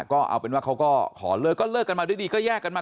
ก็เอาเป็นว่าเขาก็ขอเลิกก็เลิกกันมาด้วยดีก็แยกกันมา